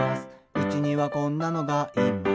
「うちにはこんなのがいます」